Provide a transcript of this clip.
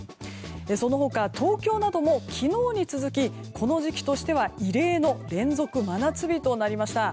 その他、東京なども昨日に続きこの時期としては異例の連続真夏日となりました。